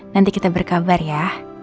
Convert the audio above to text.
nanti kita berkabar ya